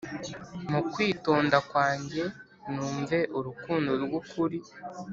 Mu kwitonda kwanjye numve Urukundo rw'ukuri.